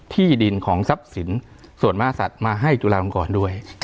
ที่ดินของทรัพย์สินส่วนมหาศัตริย์มาให้จุฬาลงกรด้วย